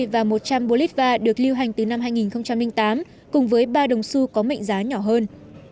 năm mươi và một trăm linh bolivar được lưu hành từ năm hai nghìn tám cùng với ba đồng su có mệnh giá nhỏ hơn